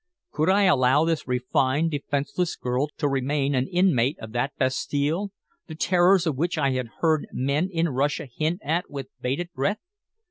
Could I allow this refined defenseless girl to remain an inmate of that Bastille, the terrors of which I had heard men in Russia hint at with bated breath?